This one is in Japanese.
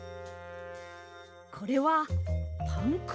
これはパンくず！